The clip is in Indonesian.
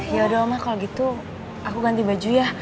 ya udah oma kalau gitu aku ganti baju ya